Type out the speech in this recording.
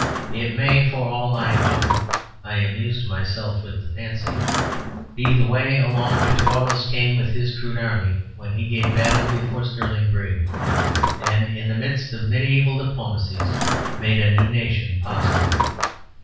It may, for all I know (I amused myself with the fancy), be the way along which Wallace came with his crude army, when he gave battle before Stirling Brig; and, in the midst of mediæval diplomacies, made a new nation possible.